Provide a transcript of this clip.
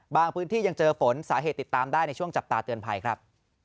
พื้นที่ยังเจอฝนสาเหตุติดตามได้ในช่วงจับตาเตือนภัยครับ